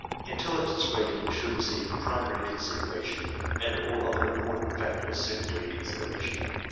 Intelligence rating should receive primary consideration, and all other important I factors secondary consideration.